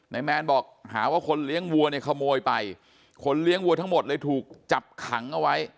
แมนบอกหาว่าคนเลี้ยงวัวเนี่ยขโมยไปคนเลี้ยงวัวทั้งหมดเลยถูกจับขังเอาไว้